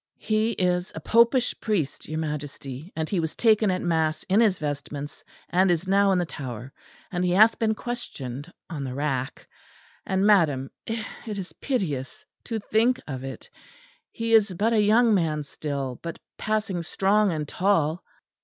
"He is a popish priest, your Majesty; and he was taken at mass in his vestments, and is now in the Tower; and he hath been questioned on the rack. And, madam, it is piteous to think of it. He is but a young man still, but passing strong and tall."